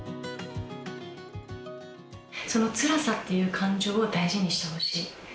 そのつらさっていう感情を大事にしてほしい。